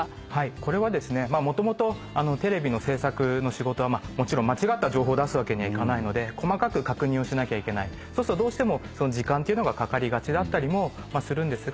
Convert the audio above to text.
これはですね元々テレビの制作の仕事はもちろん間違った情報を出すわけにはいかないので細かく確認をしなきゃいけないそうするとどうしても時間っていうのがかかりがちだったりもするんですが。